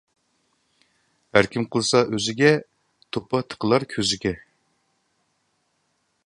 ھەركىم قىلسا ئۆزىگە، توپا تىقىلار كۆزىگە.